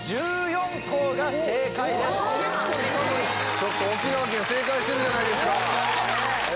ちょっと沖縄県正解してるじゃないですか。